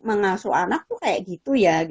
mengasuh anak tuh kayak gitu ya